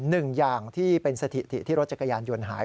หนึ่งอย่างที่เป็นสถิติที่รถจักรยานยนต์หาย